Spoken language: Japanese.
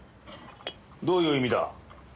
どういう意味だ？